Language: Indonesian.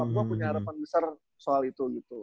gue punya harapan besar soal itu gitu